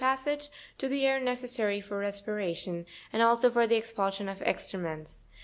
6] passage to the air necessary for respiration, and also for the ex pulsion of the excrements, 31.